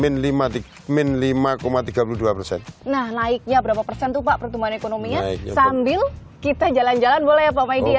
nah naiknya berapa persen tuh pak pertumbuhan ekonominya sambil kita jalan jalan boleh ya pak maidi ya